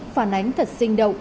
phản ánh thật sinh động